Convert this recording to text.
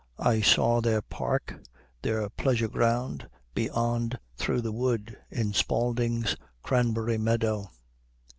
I saw their park, their pleasure ground, beyond through the wood, in Spaulding's cranberry meadow.